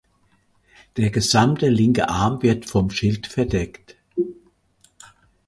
Der gesamte linke Arm wird vom Schild verdeckt.